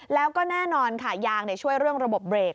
แล้วก็แน่นอนค่ะยางช่วยเรื่องระบบเบรก